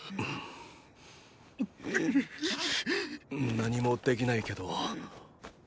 何もできないけど。